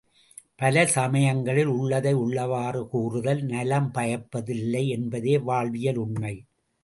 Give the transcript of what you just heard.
பல சமயங்களில் உள்ளதை உள்ளவாறு கூறுதல் நலம் பயப்பதில்லை என்பதே வாழ்வியல் உண்மை.